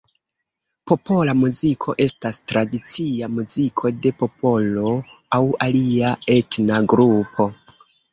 Popola muziko estas tradicia muziko de popolo aŭ alia etna grupo.